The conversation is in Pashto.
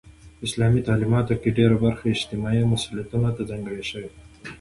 په اسلامي تعلیماتو کې ډيره برخه اجتماعي مسئولیتونو ته ځانګړې شوی ده.